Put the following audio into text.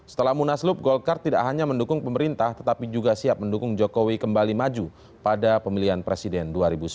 setelah munaslup golkar tidak hanya mendukung pemerintah tetapi juga siap mendukung jokowi kembali maju pada pemilihan presiden dua ribu sembilan belas